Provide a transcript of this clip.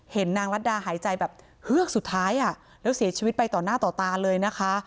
นางรัฐดาหายใจแบบเฮือกสุดท้ายแล้วเสียชีวิตไปต่อหน้าต่อตาเลยนะคะ